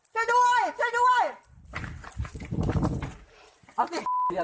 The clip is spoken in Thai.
ช่วยด้วย